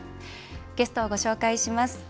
ゲストをご紹介します。